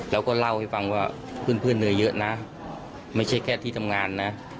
แล้วก็เล่าให้ฟังว่าเพื่อนเหนื่อยเยอะนะไม่ใช่แค่ที่ทำงานนะ